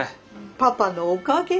パパのおかげだよ。